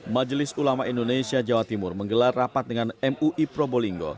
majelis ulama indonesia jawa timur menggelar rapat dengan mui probolinggo